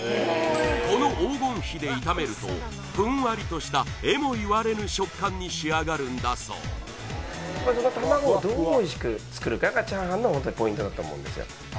この黄金比で炒めるとふんわりとしたえも言われぬ食感に仕上がるんだそう卵をどうおいしく作るかが炒飯のホントにポイントだと思うんですよ